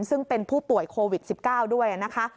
ซึ่งเป็นผู้ป่วยโควิด๑๙ด้วยนะคะ